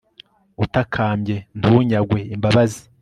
utakambye ntunyagwe imbabazi